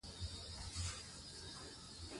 خو زمونږ پۀ هره خبره کښې به نېغ نېغ کيږي -